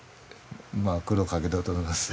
まあ苦労かけとると思います。